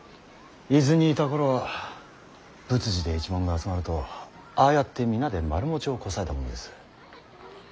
伊豆にいた頃は仏事で一門が集まるとああやって皆で丸餅をこさえたものです。